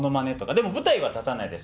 でも舞台は立たないです。